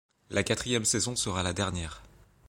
La quatrième saison sera la dernière.